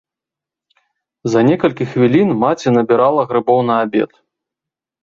За некалькі хвілін маці набірала грыбоў на абед.